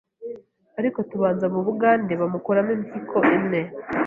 ariko tubanza mu bugande bamukuramo impyiko imwe